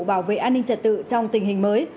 bảo vệ an ninh trật tự trong tình hình mới